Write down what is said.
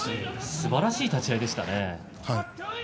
すばらしい立ち合いでしたね。